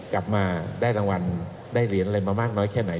กลับมาได้รางวัลได้เหรียญอะไรมามากน้อยแค่ไหน